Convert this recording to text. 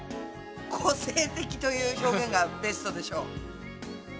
個性的という表現がベストでしょう。